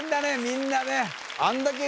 みんなね